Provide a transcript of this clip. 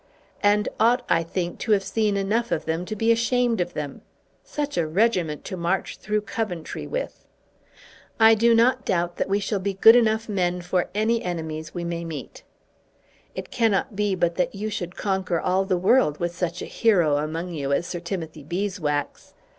"And ought, I think, to have seen enough of them to be ashamed of them. Such a regiment to march through Coventry with!" "I do not doubt that we shall be good enough men for any enemies we may meet." "It cannot but be that you should conquer all the world with such a hero among you as Sir Timothy Beeswax.